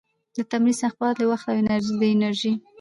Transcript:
د تمرین سختوالي، وخت او د انرژي